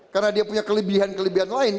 karena dia punya kelebihan kelebihan lain